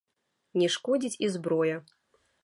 Не шкодзіць і зброя.